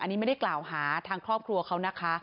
อันนี้ไม่ได้กล่าวหาทางครอบครัวเขานะคะ